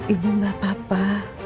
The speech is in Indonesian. ibu gak apa apa